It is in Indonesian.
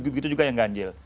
begitu juga yang ganjil